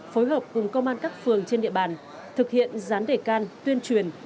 phối hợp cùng công an các phường trên địa bàn thực hiện dán đề can tuyên truyền